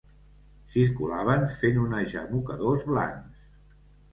Circulaven fent onejar mocadors blancs